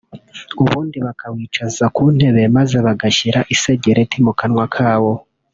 ubundi bakawicaza ku ntebe maze bagashyira isegereti mukanwa kawo